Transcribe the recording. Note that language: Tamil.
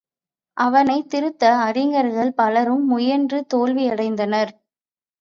அவனைத் திருத்த அறிஞர்கள் பலரும் முயன்று தோல்வியடைந்தனர்.